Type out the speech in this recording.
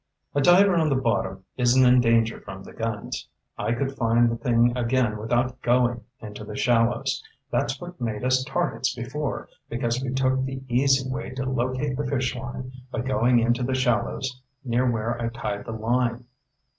"A diver on the bottom isn't in danger from the guns. I could find the thing again without going into the shallows. That's what made us targets before, because we took the easy way to locate the fish line by going into the shallows near where I tied the line."